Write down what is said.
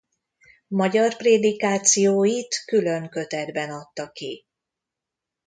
Magyar prédikációit külön kötetben adta ki.